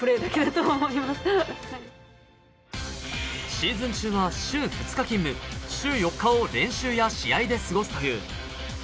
シーズン中は週２日勤務、週４日を練習や試合で過ごすという。